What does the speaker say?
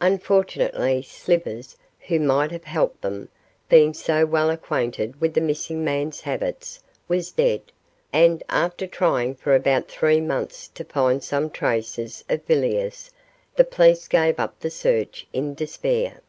Unfortunately, Slivers, who might have helped them, being so well acquainted with the missing man's habits, was dead; and, after trying for about three months to find some traces of Villiers, the police gave up the search in despair.